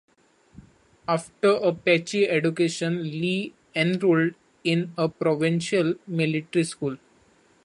After a patchy education Li enrolled in a provincial military school.